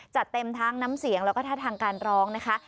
จัดเต็มทั้งน้ำเสียงแล้วก็ท่าทางการร้องนะคะ